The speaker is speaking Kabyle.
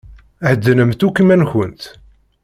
Heddnemt akk iman-nkent!